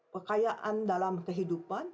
kekayaan dalam kehidupan